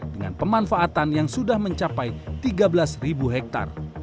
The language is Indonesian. dengan pemanfaatan yang sudah mencapai tiga belas hektare